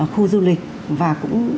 khu du lịch và cũng